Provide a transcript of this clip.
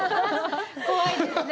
怖いですね。